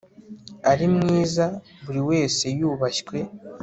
ari mwiza, buri wese yubashywe